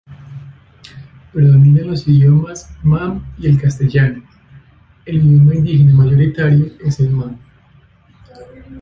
Predominan los idiomas, Mam y el castellano, el idioma indígena mayoritario es el Mam.